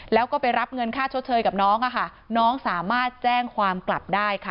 แล้วก็ไปรับเงินค่าชดเชยกับน้องอะค่ะน้องสามารถแจ้งความกลับได้ค่ะ